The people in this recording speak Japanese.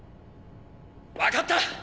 分かった！